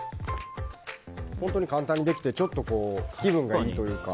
本当に簡単にできてちょっと気分がいいというか。